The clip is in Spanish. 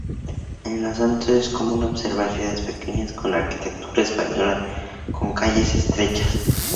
En Los Santos es común observar ciudades pequeñas con arquitectura española con calles estrechas.